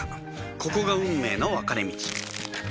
ここが運命の分かれ道